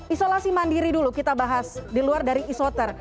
isolasi mandiri dulu kita bahas di luar dari isoter